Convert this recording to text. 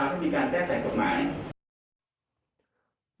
เพื่อมีการแก้แต่งกฎหมาย